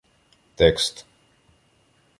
Текст